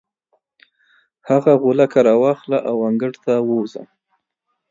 هغه غولکه راواخله او انګړ ته ووځه.